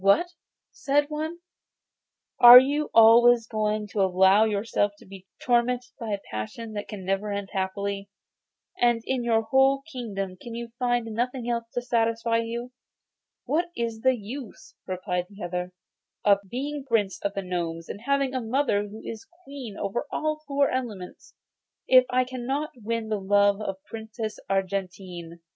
'What!' said one, 'are you always going to allow yourself to be tormented by a passion which can never end happily, and in your whole kingdom can you find nothing else to satisfy you?' 'What is the use,' replied the other, 'of being Prince of the Gnomes, and having a mother who is queen over all the four elements, if I cannot win the love of the Princess Argentine?